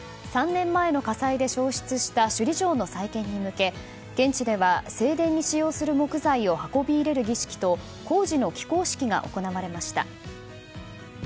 ３年前の火災で焼失した首里城の再建に向け現地では正殿に使用する木材を運び入れる儀式と工事の起工式が行われました。